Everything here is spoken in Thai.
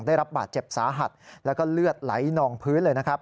ได้รับบาดเจ็บสาหัสและเลือดไหลนองพื้น